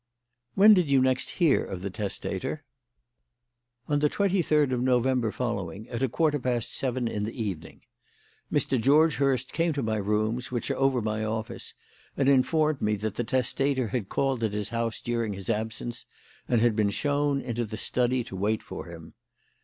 "When did you next hear of the testator?" "On the twenty third of November following at a quarter past seven in the evening. Mr. George Hurst came to my rooms, which are over my office, and informed me that the testator had called at his house during his absence and had been shown into the study to wait for him.